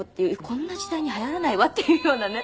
こんな時代に流行らないわっていうようなね。